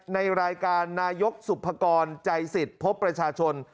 ในรายการนายกสุภกรใจสิทธิ์พบประชาชน